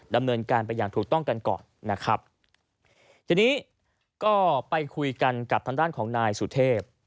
ดำเนินการไปอย่างถูกต้องกันก่อนนะครับทีนี้ก็ไปคุยกันกับทางด้านของนายสุเทพ